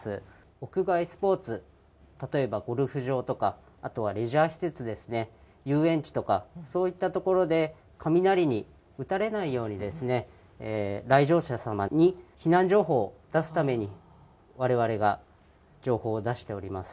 屋外スポーツ、例えばゴルフ場とかあとはレジャー施設ですね、遊園地とか、そういった所で雷に打たれないように、来場者様に避難情報を出すために、われわれが情報を出しております。